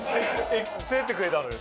連れてってくれたのよ。